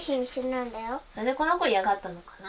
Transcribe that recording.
なんでこの子、嫌がったのかな。